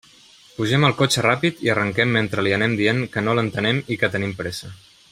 Pugem al cotxe ràpid i arrenquem mentre li anem dient que no l'entenem i que tenim pressa.